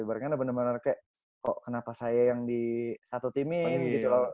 ibar ibar bener bener kayak kok kenapa saya yang di satu timin gitu loh